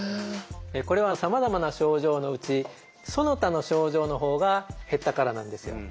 これはさまざまな症状のうちその他の症状のほうが減ったからなんですよ。